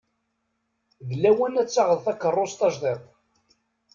D lawan ad d-taɣeḍ takerrus tajdiṭ.